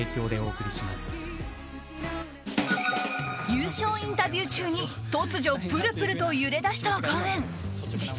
優勝インタビュー中に突如、プルプルと揺れ出した画面。